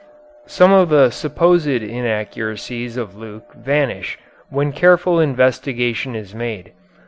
Some of the supposed inaccuracies of Luke vanish when careful investigation is made.